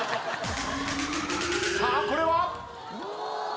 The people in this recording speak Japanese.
さあこれは。